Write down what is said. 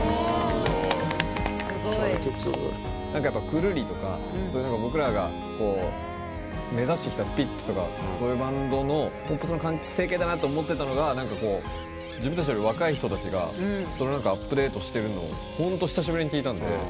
くるりとか僕らが目指してきたスピッツとかそういうバンドのポップスの完成形だと思ってたのが自分たちより若い人たちがアップデートしてるのをホント久しぶりに聴いたんで。